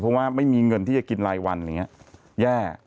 เพราะว่าไม่มีเงินที่จะกินรายวันอย่างนี้แย่